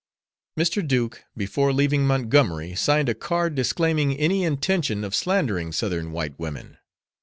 Mr. Duke, before leaving Montgomery, signed a card disclaiming any intention of slandering Southern white women.